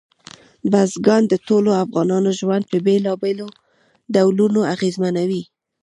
بزګان د ټولو افغانانو ژوند په بېلابېلو ډولونو اغېزمنوي.